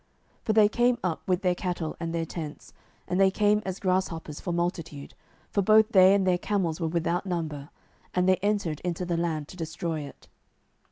07:006:005 For they came up with their cattle and their tents, and they came as grasshoppers for multitude; for both they and their camels were without number: and they entered into the land to destroy it.